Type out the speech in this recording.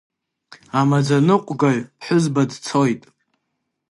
Амаӡаныҟәгаҩ ԥҳәызба дцоит.